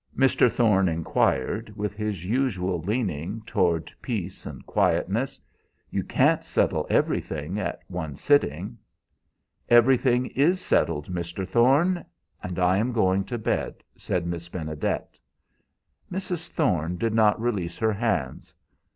Mr. Thorne inquired, with his usual leaning toward peace and quietness. "You can't settle everything at one sitting." "Everything is settled, Mr. Thorne, and I am going to bed," said Miss Benedet. Mrs. Thorne did not release her hands.